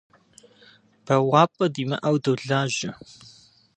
Бэуапӏэ димыӏэу долажьэ.